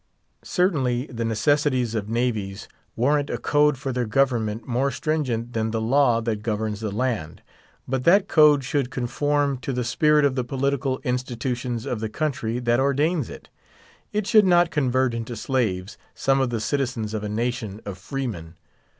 Certainly the necessities of navies warrant a code for their government more stringent than the law that governs the land; but that code should conform to the spirit of the political institutions of the country that ordains it. It should not convert into slaves some of the citizens of a nation of free men.